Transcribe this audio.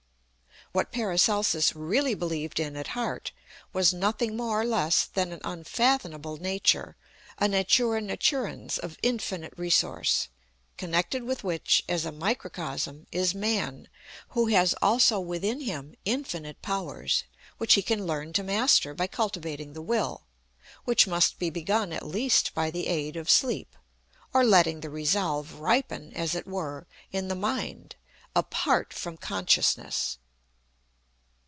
What PARACELSUS really believed in at heart was nothing more or less than an unfathomable Nature, a Natura naturans of infinite resource, connected with which, as a microcosm, is man, who has also within him infinite powers, which he can learn to master by cultivating the will, which must be begun at least by the aid of sleep, or letting the resolve ripen, as it were, in the mind, apart from Consciousness.